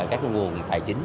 các cái nguồn tài chính